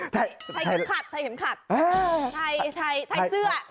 ไทยเข็มขัด